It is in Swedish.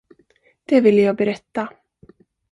Det ville jag berätta.